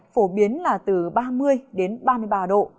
phổ biến là từ ba mươi đến ba mươi ba độ